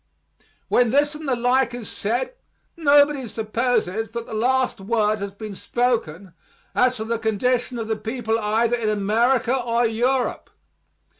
When this and the like is said, nobody supposes that the last word has been spoken as to the condition of the people either in America or Europe.